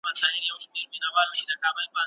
که ماشوم ته نیک اخلاق ورزو، نو هغه به مهربان سي.